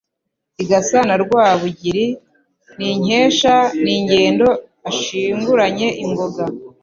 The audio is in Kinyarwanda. Igasa na Rwabugiri n' inkeshaN' ingendo ashinguranye ingoga